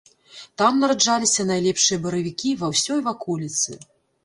Там нараджаліся найлепшыя баравікі ва ўсёй ваколіцы.